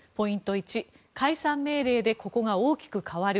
１解散命令でここが大きく変わる。